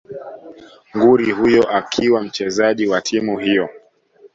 nguri huyo akiwa mchezaji wa timu hiyo